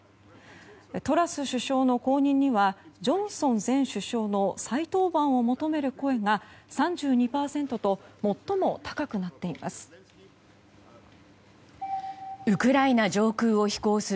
トラス首相の後任にはジョンソン前首相の再登板を求める声が３２％と最も高くなっています。